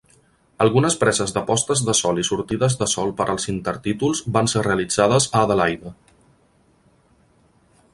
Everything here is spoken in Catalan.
Algunes preses de postes de sol i sortides de sol per als intertítols van ser realitzades a Adelaida.